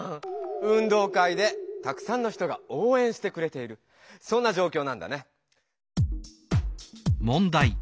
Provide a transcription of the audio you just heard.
運動会でたくさんの人がおうえんしてくれているそんなじょうきょうなんだね。